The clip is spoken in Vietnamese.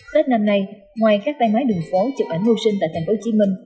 tết năm nay ngoài các tay máy đường phố chụp ảnh mưu sinh tại tp hcm